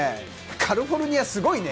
カリフォルニア、すごいね。